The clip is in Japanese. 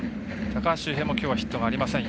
高橋周平もきょうヒットがありません。